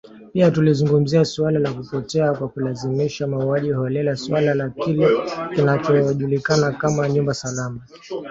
Pia tulizungumzia suala la kupotea kwa kulazimishwa, mauaji holela, suala la kile kinachojulikana kama “nyumba salama".